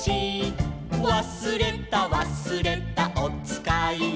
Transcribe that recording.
「わすれたわすれたおつかいを」